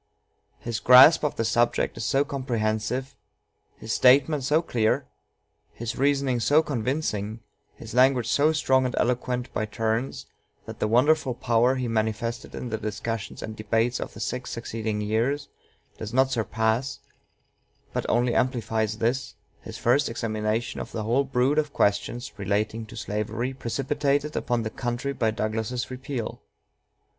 His grasp of the subject is so comprehensive, his statement so clear, his reasoning so convincing, his language so strong and eloquent by turns, that the wonderful power he manifested in the discussions and debates of the six succeeding years does not surpass, but only amplifies this, his first examination of the whole brood of questions relating to slavery precipitated upon the country by Douglas's repeal.